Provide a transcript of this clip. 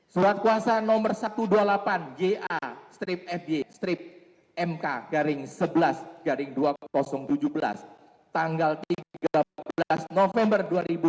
surat kuasa nomor satu ratus dua puluh delapan ga fj mk sebelas dua ribu tujuh belas tanggal tiga belas november dua ribu tujuh belas